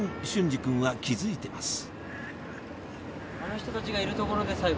隼司君は気付いてます・